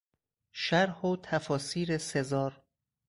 شرح و تفاسیر سزار